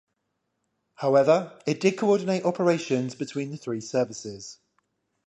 However, it did coordinate operations between the three services.